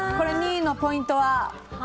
２位のポイントは？